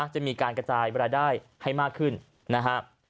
จะมีการกระจายเวลาได้ให้มากขึ้นนะฮะ